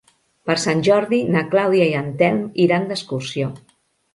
Per Sant Jordi na Clàudia i en Telm iran d'excursió.